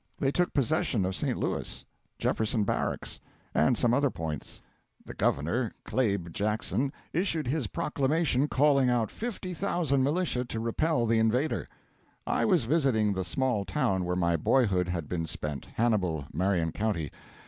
They took possession of St. Louis, Jefferson Barracks, and some other points. The Governor, Claib Jackson, issued his proclamation calling out fifty thousand militia to repel the invader. I was visiting in the small town where my boyhood had been spent Hannibal, Marion County.